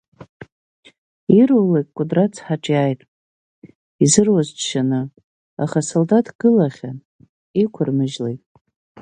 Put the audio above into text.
Ирулакгьы Кәыдры ацҳаҿы иааит, изыруаз џьшьаны, аха асолдаҭ гылахьан, иқәырмыжьлеит.